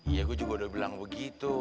ya gue juga udah bilang begitu